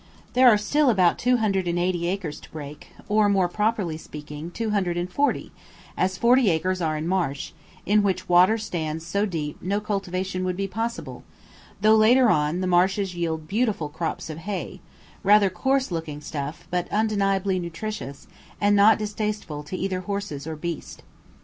There are still about two hundred and eighty acres to break, or, more properly speaking, two hundred and forty, as forty acres are in marsh, in which water stands so deep no cultivation would be possible, though, later on, the marshes yield beautiful crops of hay; rather coarse looking stuff, but undeniably nutritious, and not distasteful to either horses or beast.